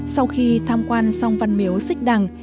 sau khi tham quan xong văn miếu xích đằng